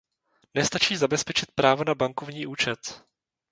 Nestačí zabezpečit právo na bankovní účet.